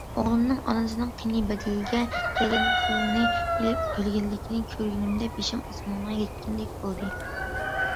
ئوغلۇمنىڭ ئانىسىنىڭ قېنى بەدىلىگە كەلگەن پۇلنى ئېلىپ كۈلگەنلىكىنى كۆرگىنىمدە بېشىم ئاسمانغا يەتكەندەك بولدى.